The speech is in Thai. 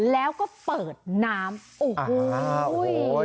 แล้วก็เปิดน้ำโอ้โห